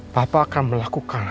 papa akan melakukan